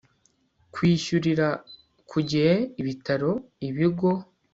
kwishyurira ku gihe ibitaro ibigo